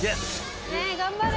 頑張れ。